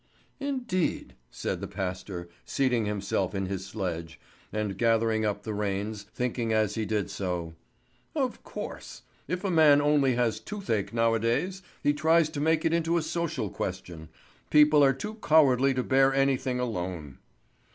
"Indeed?" said the pastor, seating himself in his sledge, and gathering up the reins, thinking as he did so: "Of course! If a man only has toothache nowadays, he tries to make it into a social question. People are too cowardly to bear anything alone."